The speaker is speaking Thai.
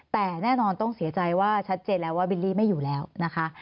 แต่แน่นอนต้องเสียใจว่าชัดเจนแล้วว่าบิลลี่ไม่อยู่แล้วนะคะ